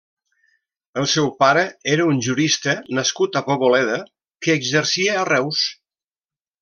El seu pare era un jurista nascut a Poboleda que exercia a Reus.